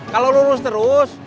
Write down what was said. kalau lurus terus